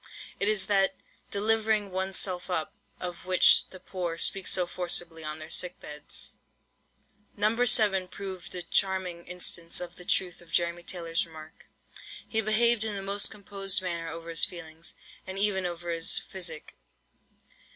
It is that "delivering one's self up," of which the poor speak so forcibly on their sick beds. No. 7 proved a charming instance of the truth of Jeremy Taylor's remark. He behaved in the most composed manner over his feelings, and even over his physic.